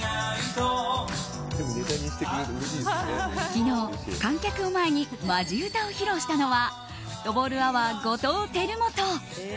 昨日、観客を前にマジ歌を披露したのはフットボールアワー後藤輝基。